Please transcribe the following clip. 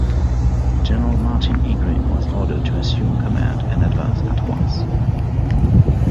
General Martin E. Green was ordered to assume command and advance at once.